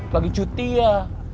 lagi cuti ya